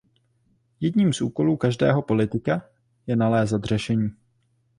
Jedním z úkolů každého politika je nalézat řešení.